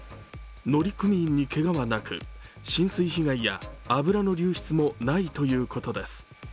乗組員にけがはなく、浸水被害や油の流出もないということです。